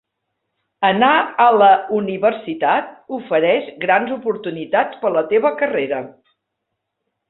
Anar a la universitat ofereix grans oportunitats per a la teva carrera.